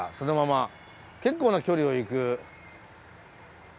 結構な距離を行く。